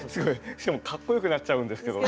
しかも「かっこよくなっちゃうんですけど」